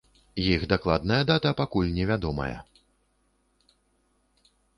Іх дакладная дата пакуль невядомая.